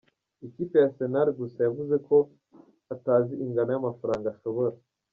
ikipe ya Arsenal gusa yavuze ko atazi ingano yamafaranga ashobora.